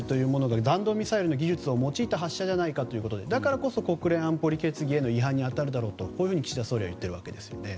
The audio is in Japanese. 弾道ミサイルの技術を用いた発射じゃないかということでだからこそ国連安保理決議への違反に当たるだろうと、岸田総理は言っているわけですよね。